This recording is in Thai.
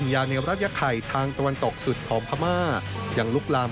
ยังลุกลามของพม่าที่คุณจะมาเจอครับ